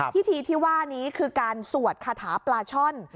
พิธีที่ว่านี้คือการสวดคาถาปลาช่อน